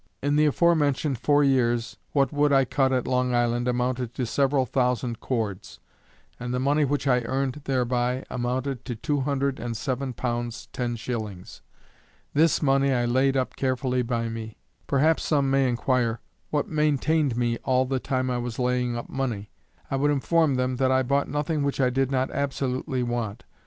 In the aforementioned four years what wood I cut at Long Island amounted to several thousand cords, and the money which I earned thereby amounted to two hundred and seven pounds ten shillings. This money I laid up carefully by me. Perhaps some may enquire what maintained me all the time I was laying up money. I would inform them that I bought nothing which I did not absolutely want.